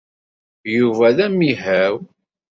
Yuba d amihaw.